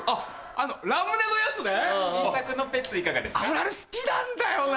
あれ好きなんだよな！